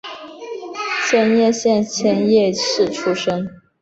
千叶县千叶市出身。